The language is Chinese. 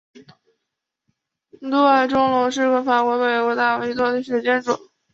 杜埃钟楼是法国北部大区城市杜埃的一座历史建筑。